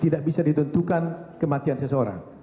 tidak bisa ditentukan kematian seseorang